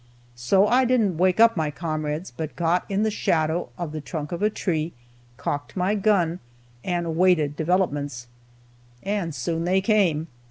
So I didn't wake up my comrades, but got in the shadow of the trunk of a tree, cocked my gun, and awaited developments. And soon they came.